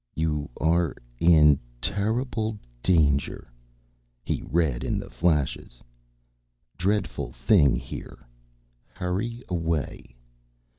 "You are in terrible danger," he read in the flashes. "Dreadful thing here. Hurry away.